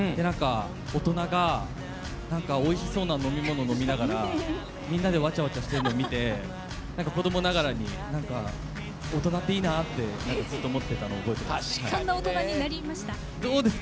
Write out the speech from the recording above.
大人がおいしそうな飲み物飲みながらみんなでワチャワチャしてるの見て子どもながらに大人っていいなってずっと思ってたのを覚えています。